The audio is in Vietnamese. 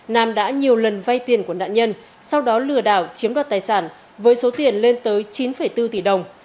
nam đã nhiều lần vay tiền của nạn nhân sau đó lừa đảo chiếm đoạt tài sản với số tiền lên tới chín bốn tỷ đồng